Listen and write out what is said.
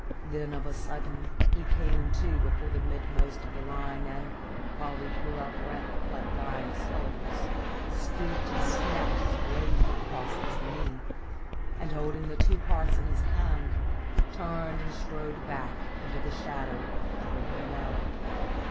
Then of a sudden he came to before the midmost of the line, and, while we drew our breath like dying souls, stooped and snapped his blade across his knee, and, holding the two parts in his hand, turned and strode back into the shadow of the dripping well.